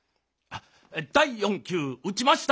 第４球打ちました！